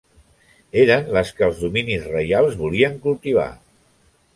Eren les que els dominis reials volien cultivar.